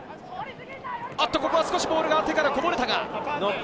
あっと、ここは少しボールが手からこぼれたか？